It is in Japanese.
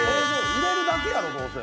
入れるだけやろ、どうせ。